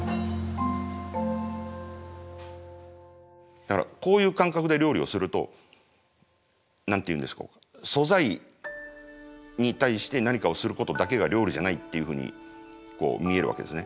だからこういう感覚で料理をすると何て言うんでしょうか素材に対して何かをすることだけが料理じゃないっていうふうに見えるわけですね。